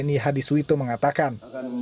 marksma tni hadi suwito mengatakan